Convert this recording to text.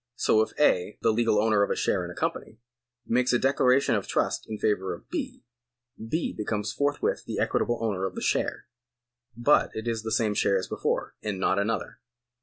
So if A., the legal owner of a share in a com pany, makes a declaration of trust in favour of B., B. becomes forthwith the equitable owner of the share ; but it is the same share as before, and not another.